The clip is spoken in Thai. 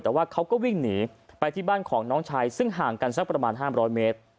แต่ว่าเขาก็วิ่งหนีไปที่บ้านของน้องชายซึ่งห่างกันสักประมาณ๕๐๐เมตร